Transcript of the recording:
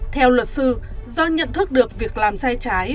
theo luật sư do nhận thức được việc làm sai trái